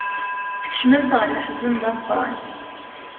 Skecmen-tt ɣer leḥzen d ameqran.